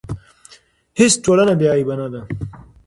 هیڅ ټولنه بې عیبه نه ده.